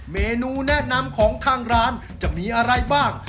เมนูแนะนำของทางร้านจะมีอะไรบ้าง